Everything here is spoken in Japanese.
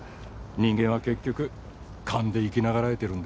人間は結局勘で生き永らえてるんだって。